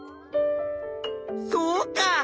そうか！